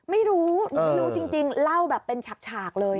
ไม่รู้ไม่รู้จริงเล่าแบบเป็นฉากเลย